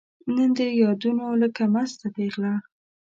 نن دي یادونو لکه مسته پیغله